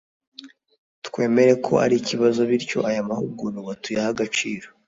twemere ko ari ikibazo bityo aya mahugurwa tuyahe agaciro